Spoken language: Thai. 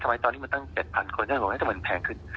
ทำไมตั้ง๗๐๐๐บาทแล้วว่าที่ปลงแค่นี้ก็แพงขึ้น